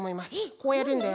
こうやるんだよ。